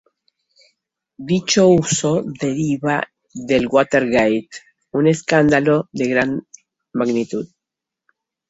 Dicho uso deriva del Watergate, un escándalo de gran magnitud.